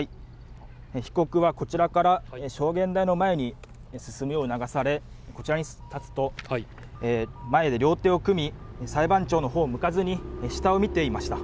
被告はこちらから証言台の前に進むよう促されこちらに立つと前で両手を組み裁判長の方を向かずに下を見ていました。